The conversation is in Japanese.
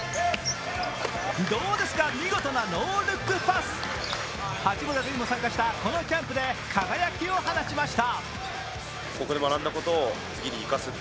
どうですか、見事なノールックパス八村塁も参加したこのキャンプで輝きを放ちました。